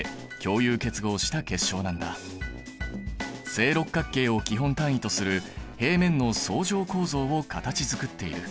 正六角形を基本単位とする平面の層状構造を形づくっている。